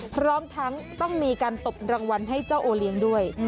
พร้อมทั้งต้องมีการตบรางวัลให้เจ้าโอเลี้ยงด้วย